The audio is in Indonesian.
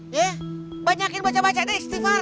ya banyakin baca baca deh stifar